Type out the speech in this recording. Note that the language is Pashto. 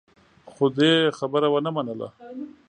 خو دې يې خبره ونه منله.